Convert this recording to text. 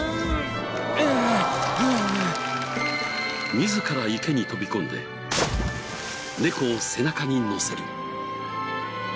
自ら池に飛び込んで猫を背中にのせる。